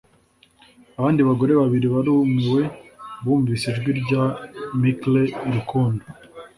Abandi bagore babiri barumiwe bumvise ijwi rya Mikle Rukundo